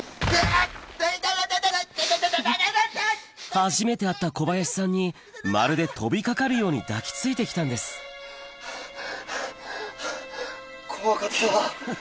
初めて会った小林さんにまるで飛び掛かるように抱きついて来たんですはぁはぁ怖かった。